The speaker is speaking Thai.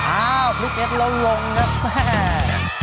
อ้าวพลิกเอ็ดระวงนะแม่